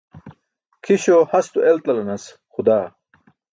Kʰiśo hasto eltalanas xudaa.